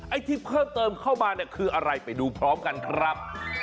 ที่เพิ่มเติมเข้ามาเนี่ยคืออะไรไปดูพร้อมกันครับ